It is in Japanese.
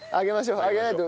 上げないと。